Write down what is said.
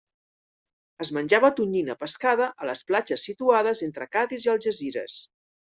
Es menjava tonyina pescada a les platges situades entre Cadis i Algesires.